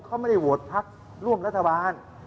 เขาไม่ได้โหวตพักร่วมรัฐบาล